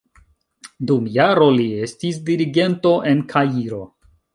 Dum jaro li estis dirigento en Kairo.